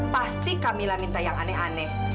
pasti kamilah minta yang aneh aneh